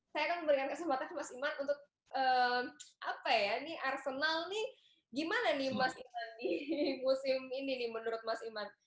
saya akan memberikan kesempatan ke mas iman untuk apa ya nih arsenal nih gimana nih mas iman di musim ini nih menurut mas iman